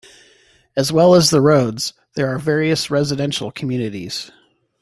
As well as the roads there are various residential communities.